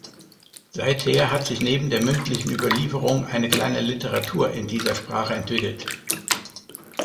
Seither hat sich neben der mündlichen Überlieferung eine kleine Literatur in dieser Sprache entwickelt.